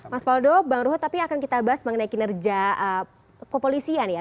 mas waldo bang ruho tapi akan kita bahas mengenai kinerja popolisian ya